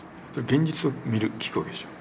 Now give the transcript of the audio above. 現実を見る聞くわけでしょ。